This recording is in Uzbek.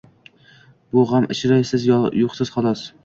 Bu gʻam ichra siz yoʻqsiz xolos.